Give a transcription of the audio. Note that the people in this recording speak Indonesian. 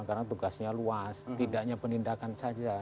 karena tugasnya luas tidaknya penindakan saja